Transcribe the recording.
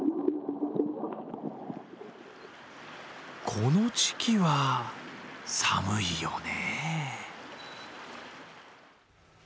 この時期は、寒いよね。